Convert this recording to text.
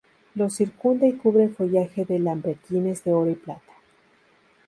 Lo circunda y cubre follaje de lambrequines de oro y plata.